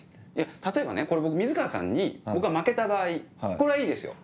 例えば水川さんに僕が負けた場合これはいいですよ。